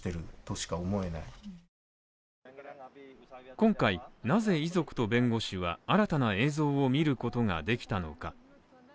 今回、なぜ遺族と弁護士は新たな映像を見ることができたのか。